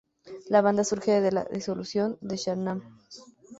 La banda surge de la disolución de Shaman.